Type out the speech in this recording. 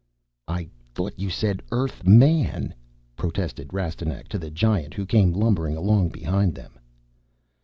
"I thought you said Earth_man_?" protested Rastignac to the Giant who came lumbering along behind them.